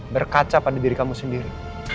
berkaca pada diri kamu sendiri